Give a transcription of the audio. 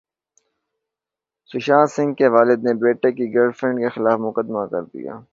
سشانت سنگھ کے والد نے بیٹے کی گرل فرینڈ کےخلاف مقدمہ کردیا